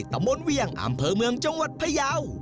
ตำบลเวียงอำเภอเมืองจังหวัดพยาว